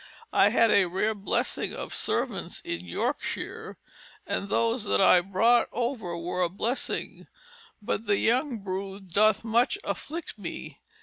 I had a rare blessing of servants in Yorkshire, and those that I brought over were a blessing, but the young brood doth much afflict me.